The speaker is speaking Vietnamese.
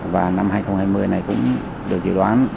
và năm hai nghìn hai mươi này cũng được dự đoán